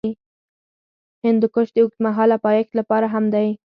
هندوکش د اوږدمهاله پایښت لپاره مهم دی.